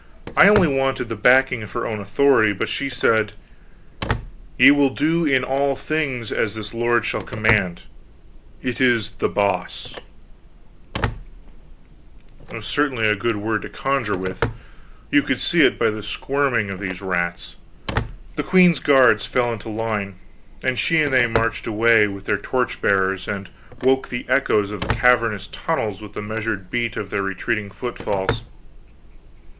I only wanted the backing of her own authority; but she said: "Ye will do in all things as this lord shall command. It is The Boss." It was certainly a good word to conjure with: you could see it by the squirming of these rats. The queen's guards fell into line, and she and they marched away, with their torch bearers, and woke the echoes of the cavernous tunnels with the measured beat of their retreating footfalls.